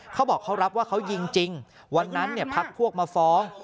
เขาบอกเขารับว่าเขายิงจริงวันนั้นพักพวกมาฟ้อง